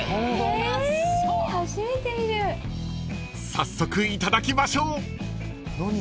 ［早速いただきましょう］